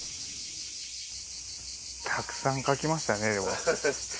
たくさん描きましたねでも。